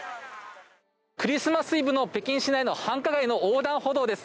クリスマスイブの北京市の繁華街の横断歩道です。